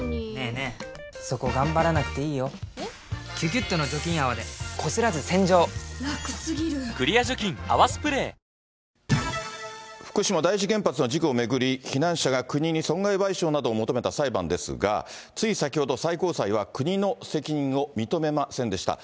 更年期障害も一つの症状、障害と福島第一原発の事故を巡り、避難者が国に損害賠償などを求めた裁判ですが、つい先ほど、最高裁は国の責任を認めませんでした。